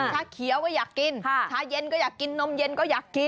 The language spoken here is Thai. เขียวก็อยากกินชาเย็นก็อยากกินนมเย็นก็อยากกิน